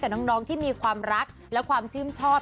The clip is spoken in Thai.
น้องที่มีความรักและความชื่นชอบ